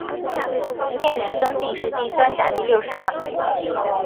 殿试登进士第三甲第六十二名。